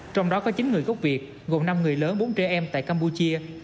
trong đó có chín người gốc việt gồm năm người lớn bốn trẻ em tại campuchia